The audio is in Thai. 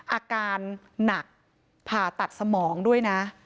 อาการหนักผ่าตัดสมองด้วยนะ